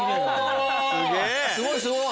すごいすごい。